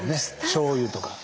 しょうゆとか。